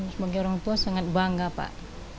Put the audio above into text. sebagai orang tua sangat bangga pak